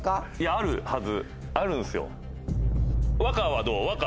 あるはずあるんすよ。